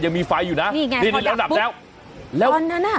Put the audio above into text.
ยังมีไฟอยู่น่ะนี่ไงแล้วดับแล้วตอนนั้นอ่ะ